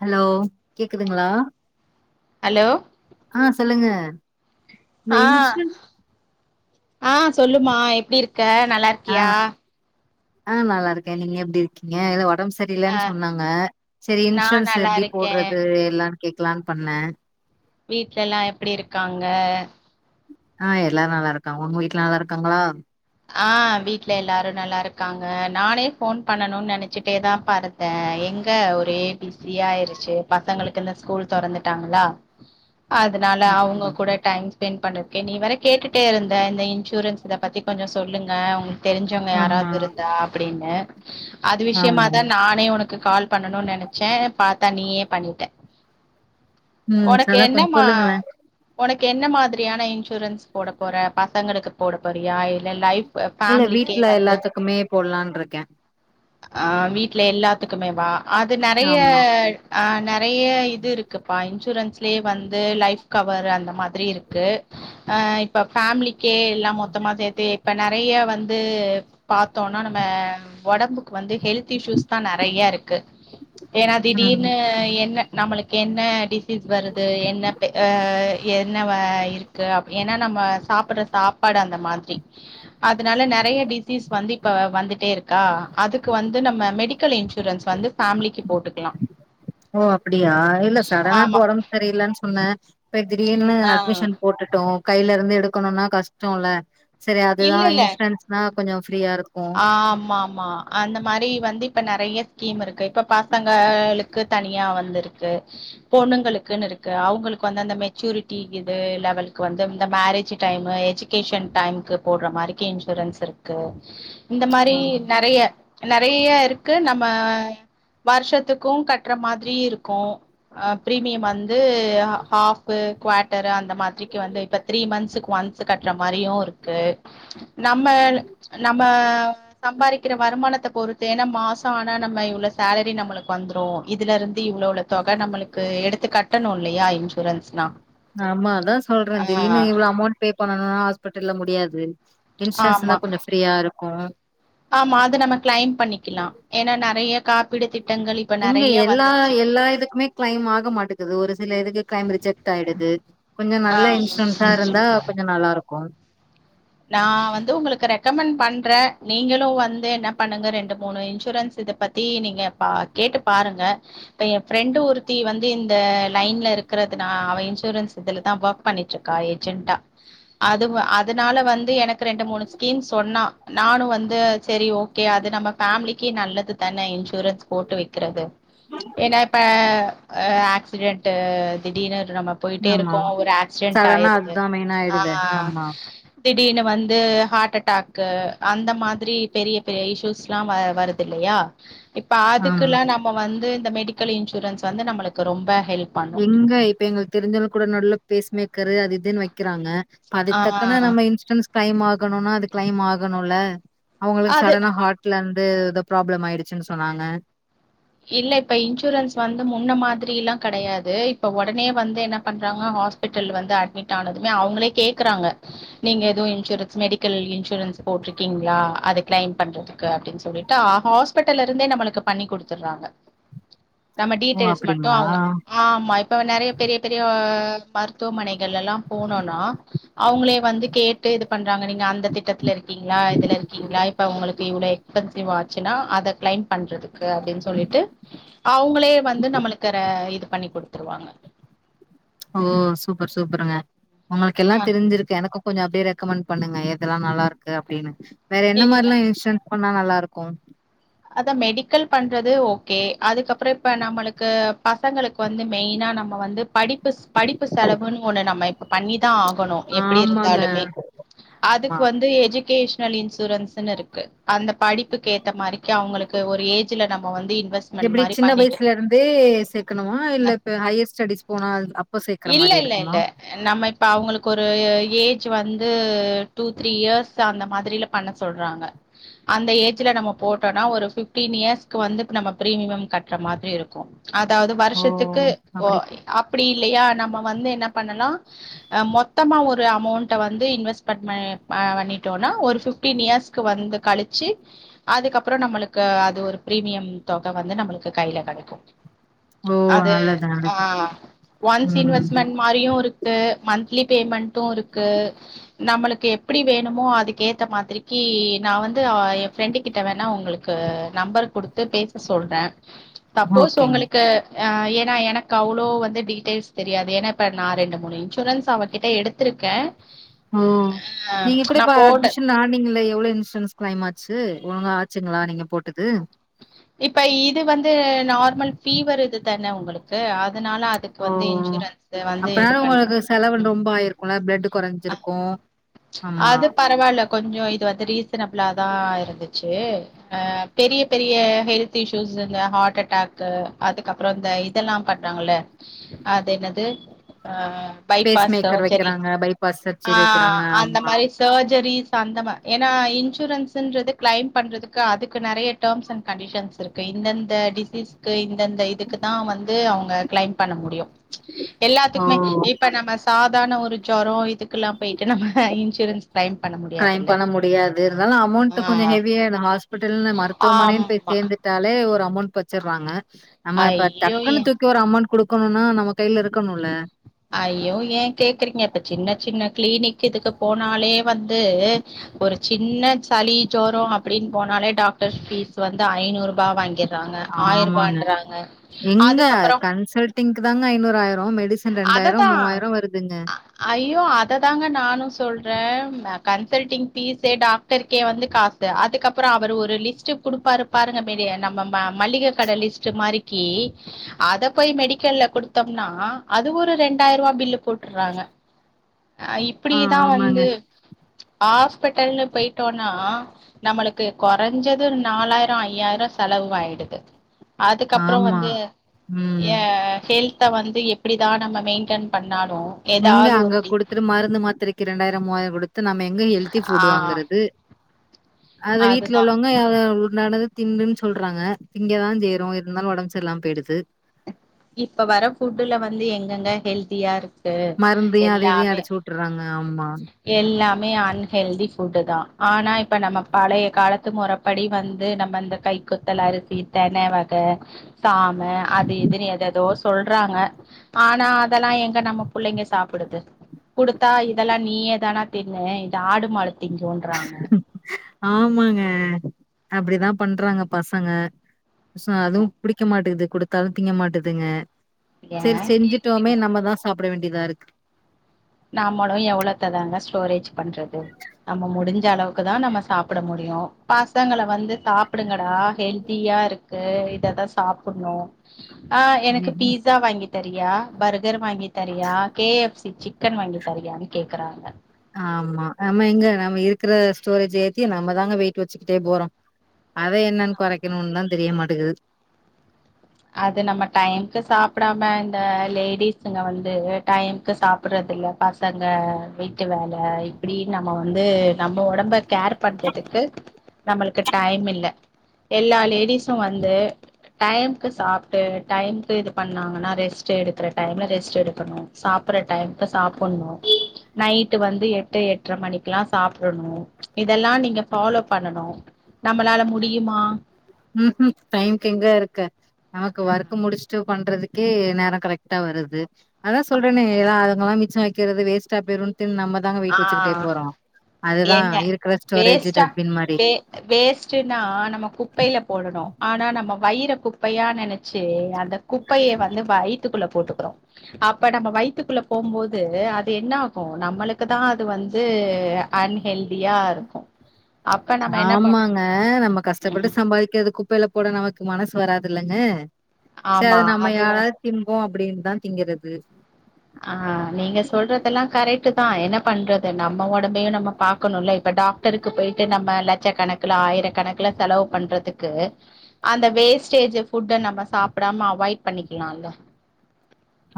Hello கேக்குதுங்களா hello ஆஹ் சொல்லுங்க அ [unintelligible] ஆஹ் சொல்லுமா எப்டி இருக் க்க நல்லா இருக்கியா ஆஹ் நல்லா இருக்கே நீங்க எப்டி இருக்கீங்க ஏதோ ஒர்க் ஒடம்பு ஆ செரியில்லன்னு சொன்னாங்க சேரி நா இன்சூரன்ஸ் நல்லா எப்டி இருக்கே போடுறது எல்லா கேக்கலான்னு பண்ணே வீட்ல எல்லா எப்டி இருக்காங்க ஆஹ் எல்லா நல்லா இருக்காங்க உங்க வீட்ல நல்லா இருக்காங்களா ஆஹ் வீட்ல எல்லாரு நல்லா இருக்காங்க நானே ஃபோன் பண்ணணும்னு நெனச்சுட்டேதாம்பா இருந்தே எங்க ஒரே பிஸியாயிருச்சு பசங்களுக்கு இந்த ஸ்கூல் தெறந்துட்டாங்களா அதனால அவங்க அப்டியா கூட டைம்ஸ் [unintelligible] பண்றதுக்கே நீ வேற கேட்டுட்டே இருந்த இந்த இன்சூரன்ஸ் இத பத்தி கொஞ்சோ சொல்லுங்க உங்குளுக் தெரிஞ்சவங்க ஆமா யாராவது இருந்தா அப்டின்னு அது ஆமா விஷியமாதா நானே உனக் கால் பண்ணணும்னு நெனச்சே பாத்தா நீயே பண்ணிட்ட ம் உனக்கு அதான் கொஞ்சம் என்னமா சொல்லுங்களேன் உனக் என்ன மாதிரியான இன்சூரன்ஸ் போடப் போற பசங்களுக்கு போடப் போறியா இல் ல்ல லைஃப் இல்ல ஃபேமிலிக்கே வீட்ல எல்லாத்துக்குமே போடலான்னு இருக்கே அஹ் வீட்ல எல்லாத்துக்குமேவா அது நெறைய ஆமா ஆன நெறைய இது இருக்குப்பா இன்சூரன்ஸ் லயே வந்து லைஃப் கவர் அந்த மாதிரி இருக்கு ஆ இப்ப ஃபேமிலி க்கு எல்லா மொத்தமா சேத்து இப்ப நா நெறைய வந்து பாத்தோன்னா நம்ம ஒடம்புக் வந்து ஹெல்த் இஸ்யூதா நெறைய இருக் க்கு ஏன்னா ம் திடீர்னு என்ன நம்மளுக்கு என்ன டிசீஸ் வருது என்ன ஆ என்ன இருக்கு அப்ப ஏன்னா நம்ம சாப்பிடுற சாப்பாடு அந்த மாதிரி அதனால நெறைய டிசீஸ் வந்து இப்ப வந்துட்டே இருக் க்கா அதுக்கு வந்து நம்ம மெடிக் [inaudible] ஓ அப்டியா இல்ல சரவணாக்கு ஆமா ஒடம்பு சரியில்லனு சொன்னே இப்ப திடிரீனு ஆ அட்மிஷன் போட்டுட்டோ கையில இருந்து எடுக்கணுன்னா கஷ்டோம்லா சரி அதுதா இல்ல இல்ல இன்சூரன்ஸ்னா கொஞ்சோ ஃப்ரீயா இருக்கு ஆமா ஆமா அந்த மாரி வந்து இப்ப நெறைய ஸ்கீம் இருக்கு இப்ப பசங்களுக்கு தனியா வந்து இருக்கு பொண்ணுங்களுக்குனு இருக்கு அவங்களுக்கு வந்து அந்த மெச்சூரிட்டி இது லெவலுக்கு வந்து இந்த மேரேஜ் டைம் எஜுகேஷன் டைம்க்கு போடுற மாரிக்கி இன்சூரன்ஸ் இருக்கு இந்த மாரி நெறைய நெறைய இருக்கு நம்ம வருஷத்துக்கும் கட்ற மாதிரி இருக்கும் ஆ ப்ரிமியம் வந் இது ஹ ஹாஃபு குவாட்டரு அந்த மாதிரிக்கு வந்து இப்போ த்ரீ மன்த்ஸ்க்கு ஒன்ஸ் கட்ற மாரியு இருக்கு நம்ம நம்ம சம்பாரிக்கிற வருமானத்த பொறுத்து ஏன்னா மாசம் ஆனா நம்ம இவ்ளவு சேலரி நம்மளுக்கு வந்துரும் இதுல இருந்து இவ்ளோ இவ்ளோ தொகை நம்மளுக்கு எடுத்து கட்டணும் இல்லையா இன்சூரன்ஸ்னா ஆமா அதான் சொல்றேன் ஆ திடீர்னு இவ்வளவு அமௌண்ட் பே பண்ணனுனா ஹாஸ் கட்டல்லா முடியாது இன்சூரன்ஸ் ஆமா இருந்தா கொஞ்சோ ஃப்ரீயா இருக்கு ஆமா அது நம்ம கிளைம் பண்ணிக்கலா ஏன்னா நெறைய காப்பீடு திட் இங்க எல்லா எல்லா இதுக்குமே கிளைம் ஆக மாட்டிங்குது ஒரு சில இதுக்கு கிளைம் ரிஜெக்ட் ஆயிடுது கொஞ்சம் நல்ல ஆ இன்சூரன்ஸா இருந்தா கொஞ்சம் நல்லா இருக்கும் நா வந்து உங்களுக்கு ரெக்கமெண்ட் பண்றே நீங்களும் வந்து என்ன பண்ணுங்க ரெண்டு மூணு இன்சூரன்ஸ் இத பத்தி நீங்க பா கேட்டு பாருங்க இப்ப என் ஃப்ரெண்டு் ஒருத்தி வந்து இந்த லைன்ல இருக்குறது நா அவ இன்சூரன்ஸ் இதுலதா ஒர்க் பண்ணிட்டு இருக்கா ஏஜெண்டா அதுவு அது அதனால வந்து எனக்கு ரெண்டு மூணு ஸ்கீம் சொன்னா நானும் வந்து சரி ஓகே அது நம்ம ஃபேமிலிக்கு நல்லது தானே இன்சூரன்ஸ் போட்டு வக்கிறது என்னா இப்ப ஆ ஆக்சிடென்ட்டு திடீர்னு நம்ம போயிட்டே ஆமா இருக்கோ ஒரு ஆக்சிடென்ட் சடனா ஆயிருது அதுதா மெயினா ஆயிடுதே ஆஹ் ஆமா திடீர்னு வந்து ஹார்ட் அட்டாக்கு அந்த மாதிரி பெரிய பெரிய இஸ்யூஸ் ல்லாம் அ வருது இல்லயா இப்ப ஆமா அதுக்கல்லா நம்ம வந்து இந்த மெடிக்கல் இன்சூரன்ஸ் வந்து நம்மளுக்கு ரொம்ப ஹெல்ப் பண்ணு எங்க இப்ப எங்களுக்கு தெரிஞ்சவங்களுக்கு கூட நடுவுல பேஸ்மேக் [unintelligible] அது இதுன்னு வைக்கிறாங்க ஆ அதுக்குத்தக்கன நம்ம இன்சூரன்ஸ் கிளைம் ஆகணும்னா அது கிளைம் ஆகணும்ல அவுங்களுக்கு அது சடனா ஹார்ட்ல இது எதோ ப்ராப்ளம் ஆயிடுச்சுன்னு சொன்னாங்க இல்ல இப்ப இன்சூரன்ஸ் வந்து முன்ன மாதிரியிலா கெடையாது இப்ப ஒடனே வந்து என்ன பண்றாங்க ஹாஸ்பிட்டல் வந்து அட்மிட் ஆனதுமே அவுங்களே கேக்குறாங்க நீங்க எதுவும் இன்சூரன்ஸ் மெடிக்கல் இன்சூரன்ஸ் போட்ருக்கீங்களா அத கிளைம் பண்றதுக்கு அப்டின்னு சொல்லிட்டு ஆ ஹாஸ்பிட்டல்ல இருந்தே நம்மளுக்கு பண்ணிகுடு வச்சறாங்க நம்ம ஓ! டீட்டெய்ல்ஸ் மட்டு அப்படிங்களா? அவுங்க ஆ ஆமா இப்ப நெறைய பெரிய பெரிய மருத்துவமனைகள் எல்லாம் போனோனா அவங்களே வந்து கேட்டு இது பண்றாங்க நீங்க அந்த திட்டத்துல இருக்கீங்களா இதுல இருக்கீங்களா இப்ப உங்களுக்கு இவ்ளோ எஸ்பென்சிவ் ஆச்சின்னா அத கிளைம் பண்றதுக்கு அப்டின்னு சொல்லிட்டு அவங்களே வந்து நம்மளுக்கு இது பண்ணி குடுத்துருவாங்க ஓ சூப்பர் சூப்பருங்க உங்களுக்கு ஆ எல்லாம் தெரிஞ்சிருக்கு எனக்கும் கொஞ்சம் அப்டியே ரெக்கமெண்ட் பண்ணுங்க எதெல்லா நல்லா இருக்கு அப்டின்னு வேற என்ன இல்ல மாரிலாம் இன்ஸன் சொன்னா நல்லா இருக்கும் அத மெடிக்கல் பண்றது ஓகே அதுக்கப்புறோ இப்ப நம்மளுக்கு பசங்களுக்கு வந்து மெயினா நம்ம வந்து படிப்பு படிப்பு செலவுன்னு ஒண்ணு நம்ம இப்ப பண்ணி தான் ஆகணும் எப்படி ஆமாங்க. இருந்தாலுமே ஆமா. அதுக்கு வந்து எஜிகேஷ் [unintelligible] இன்சூரன்ஸ்னு இருக்கு அந்த படிப்புக்கு ஏத்த மாரி ட்டு அவுங்களுக்கு ஒரு ஏஜ்ல நம்ம வந்து இத் இது எப்டி சின்ன வயசுல இருந்தே சேக்கணுமா இல்ல இப்ப ஹையர் ஸ்டடிஸ் போனா அப்ப சேக்கற இல்ல மாதிரி இல்ல இல்ல இருக்குமா நம்ம இது டூ த்ரீ இயர்ஸ் அந்த மாதிரில பண்ண சொல்றாங்க அந்த ஏஜ்ல நம்ம போட்டோம்னா ஒரு ந்பிப்டீன் இயர்ஸ்க்கு வந்து இப்ப நம்ம பிரீமியம் கட்ற மாதிரி இருக்கும் அதாவது ஓ! வருஷத்துக்கு ஓ அப்படி. அப் அப்படி இல்லையா நம்ம வந்து என்ன பண்ணலா அஹ மொத்தமா ஒரு அமௌண்ட வந்து இன்வெஸ்ட்மெண்ட் ஆ பண்ணிட்டோம்னா ஒரு ஃபிப்டீன் இயர்ஸ்க்கு வந்து கழிச்சு அதுக்கப்புறோ நம்மளுக்கு அது ஒரு பிரீமியம் தொக வந்து நம்மளுக்கு கையில கெடைக்கு ஓ! அது நல்லது, நல்லது. ஆஹ் ஒன்ஸ் ம் இன்வெஸ்மென்ட் மாரியு இருக்கு மந்த் ந்த்லி பேமெண்டும் இருக்கு நம்மளுக்கு எப்டி வேணுமோ அதுக்கு ஏத்த மாதிரிக்கி நான் வந்து என் ஃபிரெண்டு கிட்ட வேண்ணா உங்களுக்கு நம்பர் குடுத்து பேச சொல்றே சப்போஸ் ஓகேங்க. உங்களுக்கு ஆ ஏன்னா எனக்கு அவ்ளோ வந்து டீட்டெயில்ஸ் தெரியாது ஏன்னா இப்போ நான் ரெண்டு மூணு இன்சூரன்ஸ் அவகிட்ட எடுத்திருக்கே ஓ ஆ நீங்க கூட நா இப்ப போடு அட்மிஷன் ஆனீங்களே எவ்ளோ இன்சூரன்ஸ் கிளைம் ஆச் ச்சு ஒழுங்கா ஆச்சுங்களா நீங்க போட்டது இப்ப இது வந் இது நார்மல் ஃபீவர் இதுதான உங்களுக்கு அதுனால அதுக்கு ஓ! வந்து இன்சூரன்ஸ் வந்து இது அப்பனாலும் பன் உங்களுக்கு செலவு உம் ரொம்ப ஆயிருக்கும்ல. பிளட் அஹ் குறைஞ்சிருக்கும். ஆமா. அது பரவால்ல கொஞ்சம் இது வந்து ரீஸ் [unintelligible] இருந்துச்சு ஆ பெரிய பெரிய ஹெல்த் இஷ்யூஸ் இந்த ஹார்ட் அட்டாக்கு அதுக்கப்புறோ இந்த இதெல்லா பண்றாங்கல்ல அது என்னது அஹ் பேஸ் பைபாஸ் மேக்கர் சர்ஜரி வைக்கிறாங்க, பைபாஸ் ஆ சர்ஜரி வைக்கிறாங்க. அந்த ஆமா. மாரி சர்ஜரிஸ் சொந்தமா ஏன்னா இன்சூரன்ஸ்ன்றது கிளைம் பண்றதுக்கு அதுக்கு நெறைய டேர்ம்ஸ் அண்ட் கண்டிஷன்ஸ் இருக்கு இந்தெந்த டிசீஸ்க்கு இந்தந்த இதுக்குதா வந்து அவங்க கிளைம் பண்ண முடியும் ஓ! எல்லாத்துக்குமே இப்ப நம்ம சாதாரண ஒரு ஜொரம் த் து பண்ண கிளைம் முடியாதுல்ல பண்ண முடியாது இருந்தாலும் அமௌண்ட் கொஞ்சம் ஆ ஹெவியா இந்த ஹாஸ்பிட்டல் மருத்துவமனை போய் ஆமா சேந்துட்டாலே [inaudible] ஒரு அமௌண்ட் வச்சடுறாங்க நம்ம இப்ப ஐயோ எ தக்குன்னு தூக்கி ஒரு அமெண்ட் குடுக்குணுனா நம்ம கையில இருக்கணுல ஐயோ ஏன் கேக்குறீங்க இப்ப சின்ன சின்ன கிளினிக் இதுக்கு போனாலே வந்து ஒரு சின்ன சளி ஜோரம் அப்படின் போனாலே டாக்டர் ஃபீஸ் வந்து அய்னூர்பா வாங்கிர் ஆமாங்க எங்க அதுக்கப்புறம் கன்சல்டிங்க்கு தாங்க ஐநூராயிரம் அததான் ஐயோ அத தாங்க நானும் சொ சொல்ற கன்சல்ங் பீஸே டாக்டருக்கே வந்து காசு அதுக்கப்புறம் அவர் ஒரு லிஸ்ட் குடுப்பாரு பாாருங்க நம்ம ம மளிகை கடை லிஸ்ட் மாரிக்கி அத போய் மெடிக்கல்ல குடுத்தோம்னா அது ஒரு ரெண்டாயிரூவா பில்லு போட்றாங்க அஹ் ஆ, இப்புடிதான் ஆமாங்க. வந்து ஹாஸ்பிட்டல்னு போயிட்டோனா நம்மளுக்கு கொறஞ்சது நாலாயிரம் ஐயாயிரம் செலவ் ஆயிடுது அதுக்கப்புறம் ஆமா. வந்து ம். ஏ ஹெல்த் த வந்து எப் இப்படிதான் நம் மெய்டன் பண் எங்க அங்க குடுத்துட்டு மருந்து மாத்திரை இரண்டாயிரம் மூவாயிரம்குடு த்த நம்ம எங்க ஹெல்தி ஆ ஃபுட் வாங்குறது அத வீட்ல அதுதா உள்ளவங்க ஹ உண்டானது தின்னுன்னு சொல்றாங்க திங்க தான் செய்ரோம் இருந்தாலும் ஒடம் சர்ல்லாம போயி்டுது இப்ப வர ஃபுட்டுல வந்து எங்கங்க ஹெல்தியா இருக்கு மருந்தையும் அது இதையும் எல்லாமே அடிச்சு உட்டுறாங்க ஆமா மே அன்ஹெல்தி ஃபுட்டு தான் ஆனா இப்ப நம்ம பழைய காலத்து முறபடி வந்து நம்ம இந்த கை குத்தல் அரிசி தென வக சாம் ஹ அது இதுன்னு எத் தோ சொல்றாங்க ஆனா அதெல்லாம் எங்க நம்ம புள்ளைங்க சாப்பிடுது குடுத்தா இதெல்லாம் நீயே தானா தின்னு இத ஆடு மாடு திங்கோன்றாங்க ஆமாங்க அப்படிதான் பன்றாங்க பசங்க சா அதுவும் புடிக்க மாட்டுது குடுத்தாலும் திங்க மாட்டதுங்க சரி ஏன் செஞ்சுட்டோமே கேக்குறீங்க நம்ம தான் சாப் பயப்பட வேண்டிதா இருக்கு நாம்மளும் எவ்வளவுத்த தாங்க ஸ்டோரேஜ் பண்றது நம்ம முடிஞ்ச அளவுக்கு தான் நம்ம சாப்புட முடியும் பசங்கள வந்து சாப்பிடுங்கடா ஹெல்த்தியா இருக்கு இததான் சாப்புட்னும் ஆஹ் எனக்கு ம். பீட்ஸா வாங்கி சரியா பர்கர் வாங்கி சரியா K F C sick chicken வாங்கி தரியான்னு கேக்குறாங்க ஆமா நம்ம எங்க நம்ம இருக்கிற ஸ்டோரேஜ் ஏத்தி நம்மதாங்க வெயிட் வச்சுக்கிட்டே போறோ அத என்னன்னு ஆ கொறைக்கணுன்னுதா தெரியமாட்டிங்கிது அது நம்ம டைமுக்கு சாப்டாம இந்த லேடிஸுங்க வந்து டைம்க்கு சாப்பிடுறது இல்ல பசங்க வீட்டு வேல இப்டி நம்ம வந்து நம்ம ஒடம்ப கேர் பண்றதுக்கு நம்மளுக்கு டைம் இல்ல எல்லா லேடிஸும் வந்து டைம் க்கு சாப்ட்டு டைம்க்கு இது பண்ணாங்கன்னா ரெஸ்ட் எடுக்குற டைம்ல ரெஸ்ட் எடுக்கணு சாப்பட்ற டைமுக்கு சாப்டணு நைட்டு வந்து எட்டு எட்ர மணிக்கு எல்லாம் சாப்டணு இதெல்லா நீங்க ஃபாலோ பண்ணணு நம்மளால முடியுமா ம்ஹும் டைமுக்கு எங்க இருக்க நமக்கு ஒர்க் முடிச்சுட்டு பண்றதுக்கே நேரோ கரெக்டா வருது அதான் சொல்றேனே [unintelligible] சமைக்கிறது வேஸ்டா போயிருனு ஆஹ் அதுதா எங்க இருக்கிற ஸ்டோரேஜ் வேஸ்ட்டா டஸ்பின் மாரி வே வேஸ்ட்ன்னா நம்ம குப்பையில போடணு ஆனா நம்ம வய் யிற குப்பையா நெனைச்சு அந்த குப்பைய வந்து வயத்துக்குள்ள போட்டுக்கிறோ அப்ப நம்ம வயத்துக்குள்ள போம்போது அது என்ன ஆகு நம்மளுக் அப்பதா அது வந்து அன்ஹெல்தியா இருக்கும் ஆமாங்க நம்ம கஷ்டப்பட்டு ம் சம்பாதிக்கிறதுக்கு ப்பில போட நமக்கு மனசு வராதுல்லங்க ச்ச அத ஆமா நம்ம அதுவு யாராது திம்போ அப்டின்னுதா திங்கறது ஆஹ் நீங்க சொல்றதெல்லா கரெக்ட்தா என்ன பண்றது நம்ம ஒடம்பயு நம்ம பாக்கணும்ல இப்ப டாக்டருக்கு போயிட்டு நம்ம லட்ச கணக்குல ஆயிர கணக்குல செலவு பண்றதுக்கு அந்த வேஸ்டேஜ் ஃபுட்ட நம்ம சாப்பிடாம அவாய்ட் பண்ணிக்கலாம்ல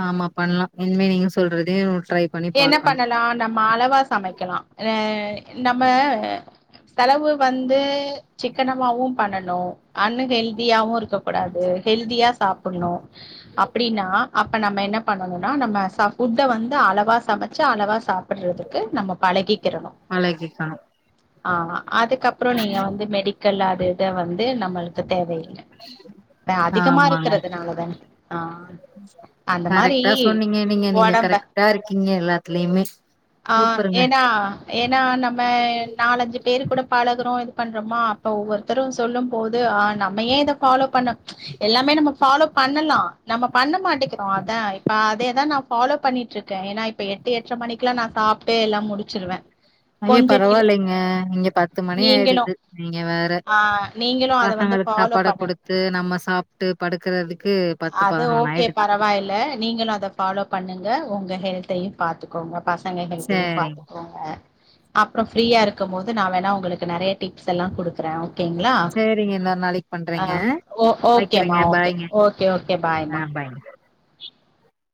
ஆமா பண்லா இனிமே நீங்க சொல்றதே ட்ரை பண்ணி என்ன பாக்கணு பண்ணலா நம்ம அளவா சமைக்கலா ஆ நம்ம செலவு வந்து சிக்கனமாவு பண்ணணு அன்ஹெல்தியாவு இருக்க கூடாது ஹெல்தியா சாப்பட்னு அப்பிடின்னா அப்ப நம்ம என்ன பண்ணணுமன்னா நம்ம சா ஃபுட்ட வந்து அளவா சமைச்சு அளவா சாப்பிடுறதுக்கு நம்ம பழகிக் பழகிக்கணு [unintelligible] ஆமா அதுக்கப்புறோ நீங்க வந்து மெடிக்கல்லு அத் இத வந்து நம்மளுக் தேவையில்ல ஆ அதிகமா ஆமாங்க இருக்கிறதுனாலதான ஆஹ் அந்த மாரி கரெக்டா சொன்னீங்க நீங்க நீங்க ஒடம்ப கரெக்டா இருக்கீங்க எல்லாத்துலயுமே ஆஹ் சூப்பருங்க ஏன்னா ஏன்னா நம்ம நாலஞ்சு பேர் கூட பழகுறோ இது பண்றோமா அப்ப ஒவ்வொருத்தரும் சொல்லும் போது ஆஹ் நம்ம ஏன் இத ஃபாலோ பண்ண எல்லாமே நம்ம ஃபாலோ பண்ணலா நம்ம பண்ண மாட்டேங்கிறோ அதா இப்ப அதேதா நான் ஃபாலோ பண்ணிட்ருக்கே ஏன்னா இப் இப்ப எட்டு எட்ற மணிக்கெல்லா நா சாப்ட்டு எல்லா முடிச்சிருவே ஐயோ பரவால்லைங்க இங்க பத்து மணி நீங்களும் ஆயிடுது நீங்க வேற ஆ நீங்களும் அத வந்து பசங்களுக்கு ஃபாலோ சாப்பாட பண்ணுங்க கொடுத்து நம்ம சாப்ட்டு படுக்கறதுக்கு பத்து அது பதினொன்னு ஓகே ஆயிடுது பரவாயில்ல த்தையு பாத்துக்கோங்க பசங்க ஹெல்த்தயும் சரிங்க பாத்துக்கோங்க அப்புறோ ஃப்ரீயா இருக்கமோது நா வேண்ணா உங்களுக்கு நறைய டிப்ஸ்ஸெல்லா குடுக்குறே ஓகேங்களா சரிங்க இன்னொரு நாளைக்கு ஆ பண்றேங்க ஓ ஓகேமா வைக்கிறேங்க ஓகே பாய்ங்க ஓகே பாய்மா ஆ பாய்